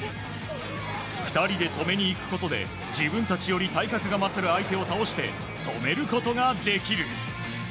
２人で止めに行くことで自分たちより体格が勝る相手を倒して止めることができる。